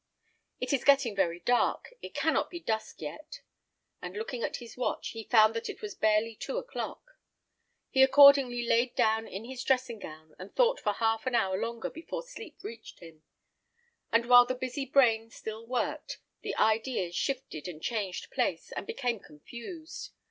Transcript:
It is getting very dark: it cannot be dusk yet." And looking at his watch, he found that it was barely two o'clock. He accordingly laid down in his dressing gown, and thought for half an hour longer before sleep reached him; but while the busy brain still worked, the ideas shifted and changed place, and became confused.